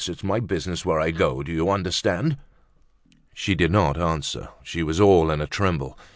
It's my business where I go. Do you understand?" She did not answer. She was all in a tremble.